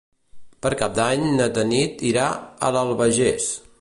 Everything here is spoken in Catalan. Per Cap d'Any na Tanit irà a l'Albagés.